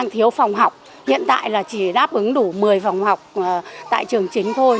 thiếu phòng học hiện tại là chỉ đáp ứng đủ một mươi phòng học tại trường chính thôi